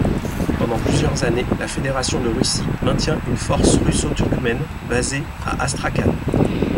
Pendant plusieurs années, la fédération de Russie maintient une force russo-turkmène basée à Astrakhan.